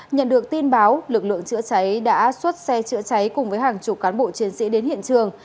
nhận được tin báo lực lượng chữa cháy đã xuất xe chữa cháy cùng với hàng chục cán bộ chiến sĩ đến hiện trường